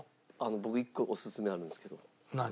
僕一個おすすめあるんですけど。何？